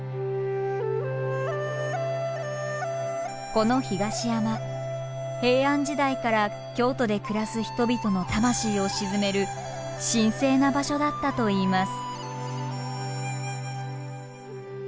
この東山平安時代から京都で暮らす人々の魂を鎮める神聖な場所だったといいます。